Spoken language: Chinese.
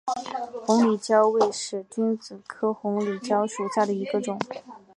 红里蕉为使君子科红里蕉属下的一个种。